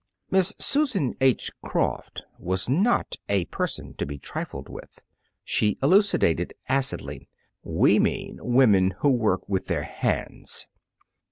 Miss Susan H. Croft was not a person to be trifled with. She elucidated acidly. "We mean women who work with their hands."